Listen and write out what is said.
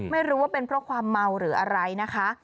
ไม่รู้ว่าเป็นเพราะความเมาหรืออะไรนะคะ